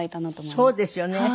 そうですよね。